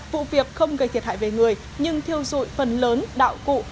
vụ việc không gây thiệt hại về người nhưng thiêu dụi phần lớn đạo cụ